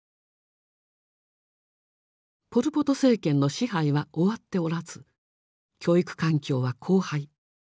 ポル・ポト政権の支配は終わっておらず教育環境は荒廃。